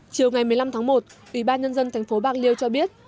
chiều ngày một mươi năm tháng một ủy ban nhân dân thành phố bạc liêu cho biết